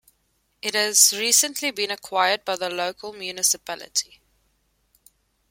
It has recently been acquired by the local municipality.